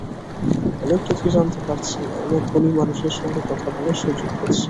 অনেক কিছু জানতে পারছি, অনেক গুণী মানুষের সঙ্গে কথা বলার সুযোগ হচ্ছে।